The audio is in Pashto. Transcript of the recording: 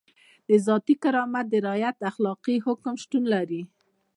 د ذاتي کرامت د رعایت اخلاقي حکم شتون لري.